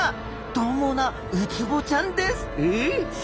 どう猛なウツボちゃんです。